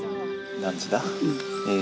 何時だ？え。